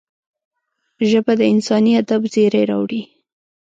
ژبه د انساني ادب زېری راوړي